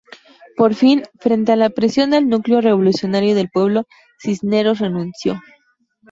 Por fin, frente a la presión del núcleo revolucionario y del pueblo, Cisneros renunció.